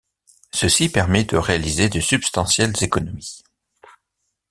Ceci permet de réaliser de substantielles économies.